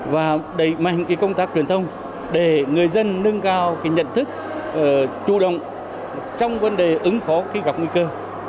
và đẩy mạnh công tác truyền thông để người dân nâng cao nhận thức chủ động trong vấn đề ứng phó khi gặp nguy cơ